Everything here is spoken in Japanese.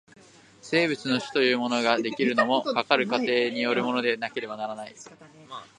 生物の種というものが出来るのも、かかる過程によるものでなければならない。